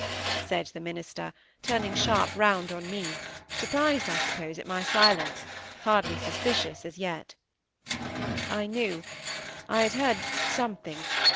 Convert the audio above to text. said the minister, turning sharp round on me, surprised, I suppose, at my silence,—hardly suspicious, as yet. "I knew—I had heard—something.